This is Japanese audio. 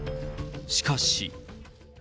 しかし。